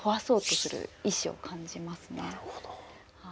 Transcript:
なるほど。